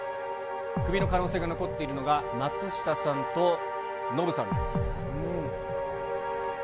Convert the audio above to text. クビの可能性が残っているのが、松下さんとノブさんです。